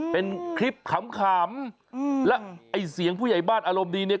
เป็นคลิปขำแล้วไอ้เสียงผู้ใหญ่บ้านอารมณ์ดีเนี่ย